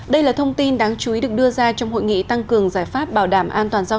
đây là thông tin đáng chú ý được đưa ra trong hội nghị tăng cường giải pháp bảo đảm an toàn giao